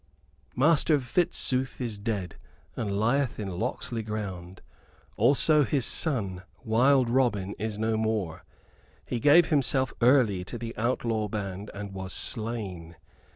"Master Fitzooth is dead and lieth in Locksley ground. Also his son, wild Robin, is no more. He gave himself early to the outlaw band, and was slain.